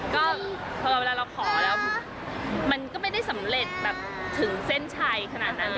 ก็พอเวลาเราขอแล้วมันก็ไม่ได้สำเร็จแบบถึงเส้นชัยขนาดนั้น